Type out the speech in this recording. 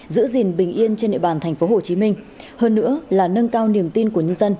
giữ gìn bình yên trên nệp bàn tp hồ chí minh hơn nữa là nâng cao niềm tin của nhân dân